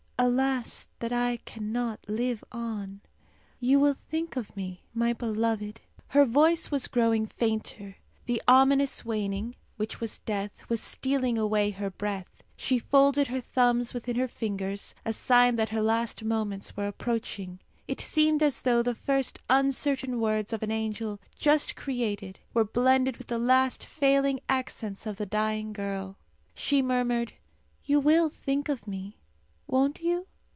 Alas that I cannot live on! You will think of me, my beloved!" Her voice was growing fainter. The ominous waning, which was death, was stealing away her breath. She folded her thumbs within her fingers a sign that her last moments were approaching. It seemed as though the first uncertain words of an angel just created were blended with the last failing accents of the dying girl. She murmured, "You will think of me, won't you?